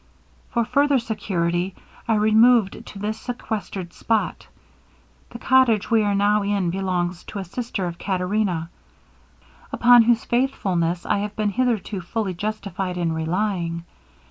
For further security, I removed to this sequestered spot. The cottage we are now in belongs to a sister of Caterina, upon whose faithfulness I have been hitherto fully justified in relying.